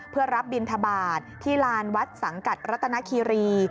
เพื่อรับบินทบาทที่ลานวัดสังกัดรัตนคีรี